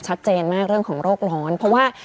ชัดเจนมากเรื่องของโรคร้อนเพราะว่า